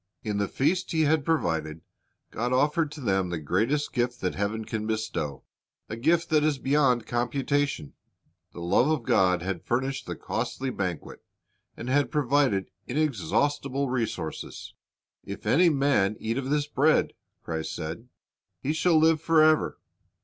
^ In the feast He had provided, God offered to them the ijohn 1 : 29 Go into til c H i g h IV ay s " 223 '>'^. greatest gift that Heaven can bestow, — a gift that is beyond computation. The love of God had furnished the costly banquet, and had provided inexhaustible resources. "If any man eat of this bread," Christ said, "he shall live forever."